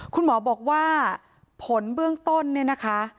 คุณหมอบอกว่าผลเบื้องต้นเนี่ยนะคะ